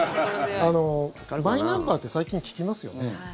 マイナンバーって最近聞きますよね？